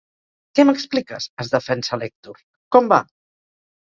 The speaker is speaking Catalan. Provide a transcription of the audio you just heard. Què m'expliques? —es defensa l'Èctor— Com va?